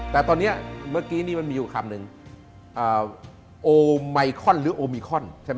แต่ตอนนี้เมื่อกี้นี่มันมีอยู่คำนึงโอไมคอนหรือโอมิคอนใช่ไหม